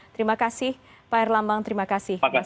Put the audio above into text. terima kasih pak erlambang terima kasih mas adam